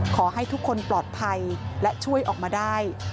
ขอให้ทุกคนปลอดภัยและช่วยออกมาได้